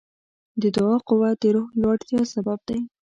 د دعا قوت د روح لوړتیا سبب دی.